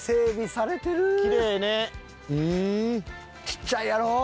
ちっちゃいやろう？